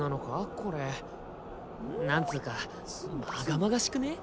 これなんつうかまがまがしくねえ？